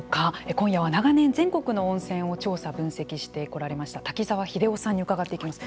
今夜は長年全国の温泉を調査分析してこられました滝沢英夫さんに伺っていきます。